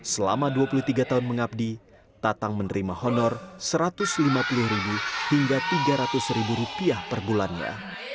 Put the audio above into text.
selama dua puluh tiga tahun mengabdi tatang menerima honor rp satu ratus lima puluh hingga rp tiga ratus per bulannya